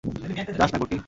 যাস না, কুট্টি।